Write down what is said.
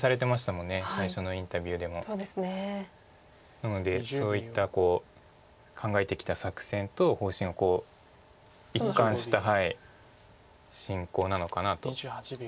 なのでそういった考えてきた作戦と方針がこう一貫した進行なのかなと思います。